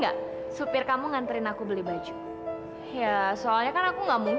aku jalan dulu ya sayang